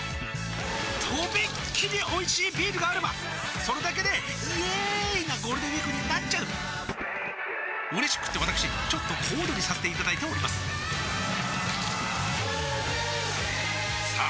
とびっきりおいしいビールがあればそれだけでイエーーーーーイなゴールデンウィークになっちゃううれしくってわたくしちょっと小躍りさせていただいておりますさあ